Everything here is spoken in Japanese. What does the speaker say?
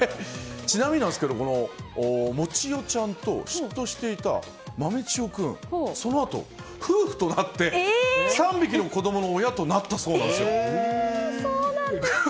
ちなみにですが、モチ代ちゃんと嫉妬していた豆千代君、そのあと夫婦となって３匹の子供の親となったそうなんですよ。